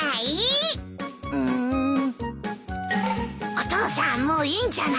お父さんもういいんじゃない。